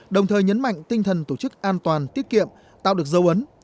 đồng thời nhấn mạnh tinh thần tổ chức an toàn tiết kiệm tạo được dấu ấn